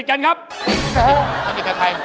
ยกตัวอย่าง